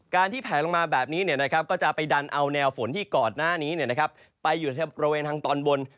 ที่แผลลงมาแบบนี้ก็จะไปดันเอาแนวฝนที่ก่อนหน้านี้ไปอยู่ในบริเวณทางตอนบน